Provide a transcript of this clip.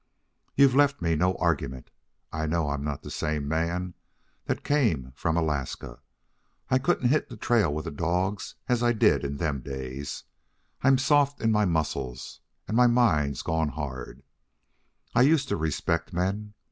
"You've left me no argument. I know I'm not the same man that came from Alaska. I couldn't hit the trail with the dogs as I did in them days. I'm soft in my muscles, and my mind's gone hard. I used to respect men.